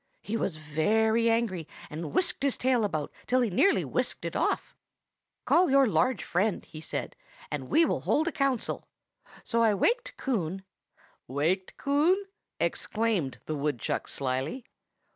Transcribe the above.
He was very angry, and whisked his tail about till he nearly whisked it off. 'Call your large friend,' he said, 'and we will hold a council.' So I waked Coon—" "Waked Coon?" exclaimed the woodchuck slyly.